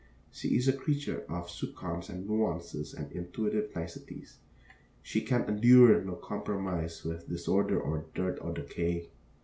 She is a creature of soupçons and nuances and intuitive niceties. She can endure no compromise with disorder or dirt or decay.